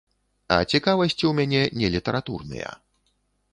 А цікавасці ў мяне не літаратурныя.